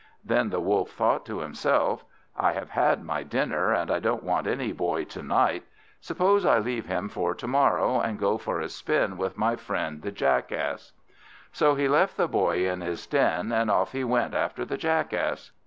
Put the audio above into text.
Then the Wolf thought to himself, "I have had my dinner, and I don't want any Boy to night. Suppose I leave him for to morrow, and go for a spin with my friend the Jackass." So he left the Boy in his den, and off he went after the Jackass.